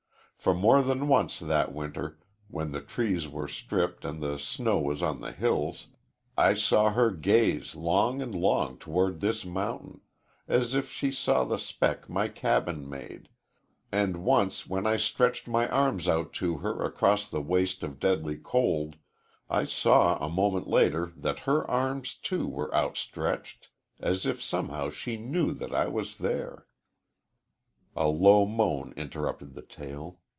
For more than once that winter, when the trees were stripped and the snow was on the hills, I saw her gaze long and long toward this mountain, as if she saw the speck my cabin made, and once when I stretched my arms out to her across the waste of deadly cold, I saw a moment later that her arms, too, were out stretched, as if somehow she knew that I was there." A low moan interrupted the tale.